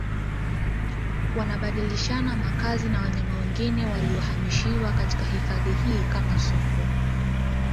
wanabadilishana makazi na wanyama wengine waliohamishiwa katika hifadhi hii kama Sokwe